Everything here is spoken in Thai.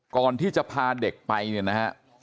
ก่อนที่จะพาเด็กไปเนี่ยนะฮะ